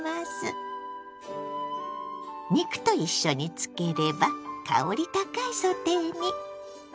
肉と一緒に漬ければ香り高いソテーに。